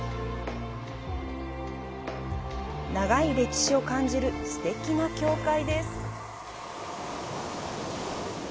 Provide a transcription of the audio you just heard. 長い歴史を感じるすてきな教会です。